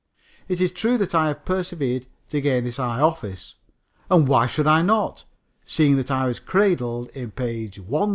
It is true that I have persevered to gain this high office, and why should I not, seeing that I was cradled in page 136?"